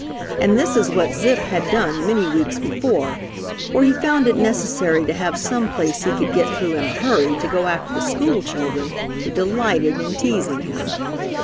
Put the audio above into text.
And this is what Zip had done many weeks before, for he found it necessary to have some place he could get through in a hurry to go after the school children who delighted in teasing him.